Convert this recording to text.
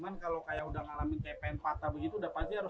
nggak juga sih